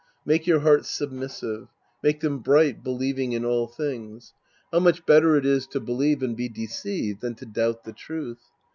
Make your hearts submissive. Make them bright, believing in all things. How much better it is to believe and be deceived than to doubt the truth